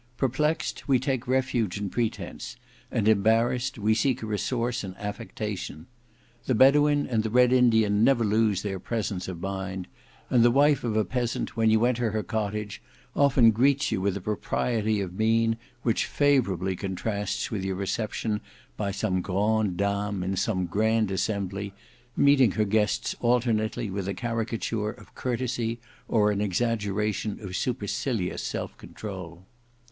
Perplexed, we take refuge in pretence; and embarrassed, we seek a resource in affectation. The Bedouin and the Red Indian never lose their presence of mind; and the wife of a peasant, when you enter her cottage, often greets you with a propriety of mien which favourably contrasts with your reception by some grand dame in some grand assembly, meeting her guests alternately with a caricature of courtesy or an exaggeradon of supercilious self control.